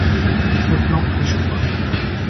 Ce plan échouera.